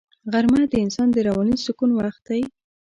غرمه د انسان د رواني سکون وخت دی